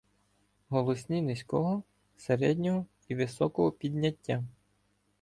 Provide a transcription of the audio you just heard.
Голосні низького, середнього і високого підняття